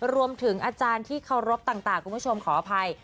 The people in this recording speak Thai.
รวมถึงอาจารย์ที่เคารพต่างคุณผู้ชมขออภัย